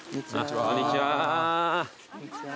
こんにちは。